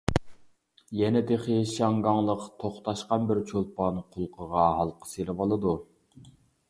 يەنە تېخى شياڭگاڭلىق توختاشقان بىر چولپان قۇلىقىغا ھالقا سېلىۋالىدۇ.